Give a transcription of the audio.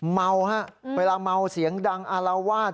เมาฮะเวลาเมาเสียงดังอารวาส